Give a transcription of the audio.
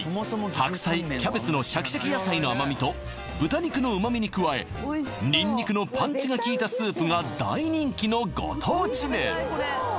白菜キャベツのシャキシャキ野菜の甘みと豚肉の旨みに加えニンニクのパンチが効いたスープが大人気のご当地麺